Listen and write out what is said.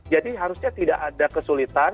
jadi harusnya tidak ada kesulitan